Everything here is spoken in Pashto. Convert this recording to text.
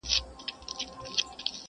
ګل دي کم لاچي دي کم لونګ دي کم؛